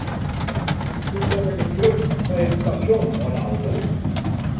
Hoe kom ik it fluchst by it stasjon mei de auto?